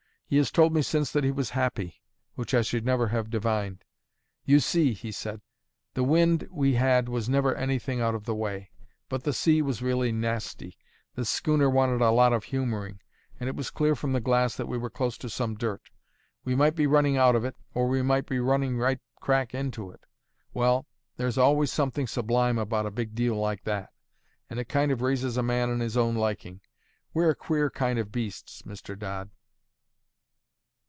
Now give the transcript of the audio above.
He has told me since that he was happy, which I should never have divined. "You see," he said, "the wind we had was never anything out of the way; but the sea was really nasty, the schooner wanted a lot of humouring, and it was clear from the glass that we were close to some dirt. We might be running out of it, or we might be running right crack into it. Well, there's always something sublime about a big deal like that; and it kind of raises a man in his own liking. We're a queer kind of beasts, Mr. Dodd."